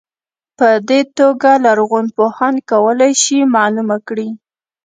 په دې توګه لرغونپوهان کولای شي معلومه کړي.